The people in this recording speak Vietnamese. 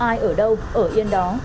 ai ở đâu ở yên đó